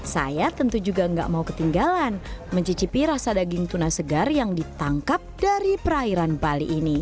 saya tentu juga nggak mau ketinggalan mencicipi rasa daging tuna segar yang ditangkap dari perairan bali ini